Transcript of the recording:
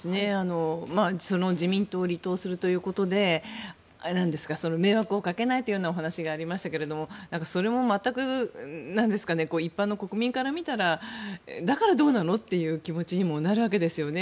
その自民党を離党するということで迷惑をかけないというお話がありましたけどそれも全く一般の国民から見たらだからどうなの？って気持ちにもなるわけですよね。